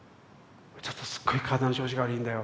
「ちょっとすっごい体の調子が悪いんだよ。